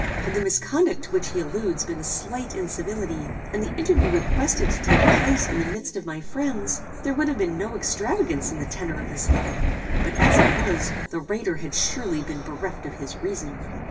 Had the misconduct to which he alludes been a slight incivility, and the interview requested to take place in the midst of my friends, there would have been no extravagance in the tenor of this letter; but, as it was, the writer had surely been bereft of his reason.